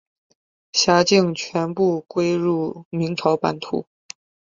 辖境全部归入明朝版图。